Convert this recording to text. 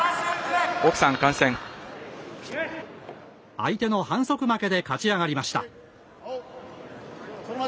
相手の反則負けで勝ち上がりました。